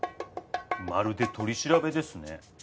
まるで取り調べですね。